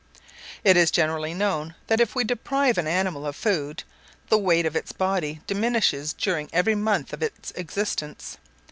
It is generally known, that if we deprive an animal of food, the weight of its body diminishes during every moment of its existence.